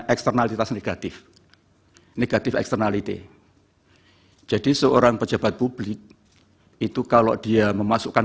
eksternalitas negatif eksternality jadi seorang pejabat publik itu kalau dia memasukkan